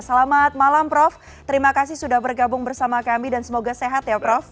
selamat malam prof terima kasih sudah bergabung bersama kami dan semoga sehat ya prof